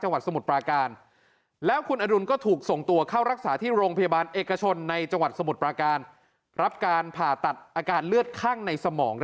สมุทรปราการแล้วคุณอดุลก็ถูกส่งตัวเข้ารักษาที่โรงพยาบาลเอกชนในจังหวัดสมุทรปราการรับการผ่าตัดอาการเลือดข้างในสมอง